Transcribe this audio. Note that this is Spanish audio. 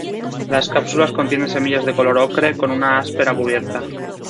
Las cápsulas contienen semillas de color ocre con una áspera cubierta.